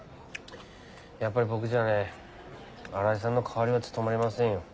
やっぱり僕じゃね荒井さんの代わりは務まりませんよ。